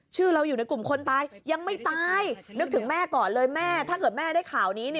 จุดที่มาท้าไหมบอกไกล